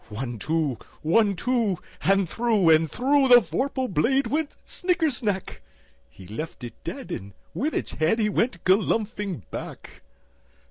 One, two! One, two! And through and throughThe vorpal blade went snicker snack! He left it dead, and with its headHe went galumphing back.